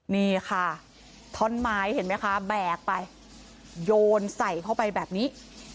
นี่ค่ะท่อนไม้เห็นไหมคะแบกไปโยนใส่เข้าไปแบบนี้